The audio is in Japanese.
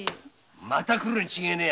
また来るに違いねえ。